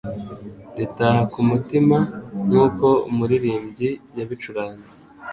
ritaha ku mutima nk'uko umuririmbyi yabicuranze.